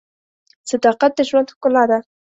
صداقت د ژوند ښکلا ده.